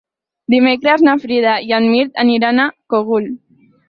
Dimecres na Frida i en Mirt aniran al Cogul.